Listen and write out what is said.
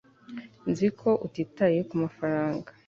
nzi ko utitaye kumafaranga